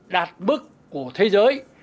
đạt mức của thế giới